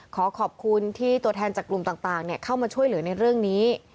ขอขอบคุณที่ตัวแทนจากกลุ่มต่างเข้ามาช่วยเหลือในเรื่องนี้